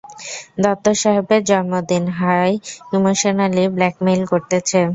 দত্ত সাহেবের জন্মদিন, হ্লায় ইমোশনালি ব্লাকমেইল করতেছে!